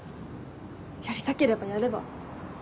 やりたければやれば？